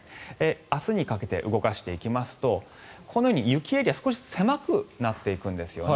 明日にかけて動かしていきますとこのように雪エリア少しずつ狭くなっていくんですね。